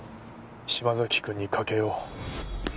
島崎くんにかけよう。